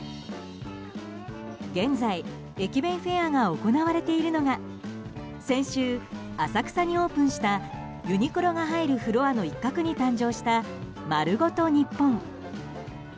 現在、駅弁フェアが行われているのが先週、浅草にオープンしたユニクロが入るフロアの一角に誕生したまるごとにっぽん。